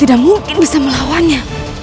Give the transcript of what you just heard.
tidak mungkin bisa melawannya